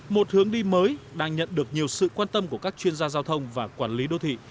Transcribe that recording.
một hướng đi mới đang nhận được nhiều sự quan tâm của các chuyên gia giao thông và quản lý đô thị